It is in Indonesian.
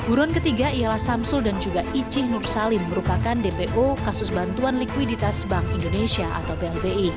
uruan ketiga ialah samsul dan juga icih nur salim merupakan dpo kasus bantuan likuiditas bank indonesia atau blbi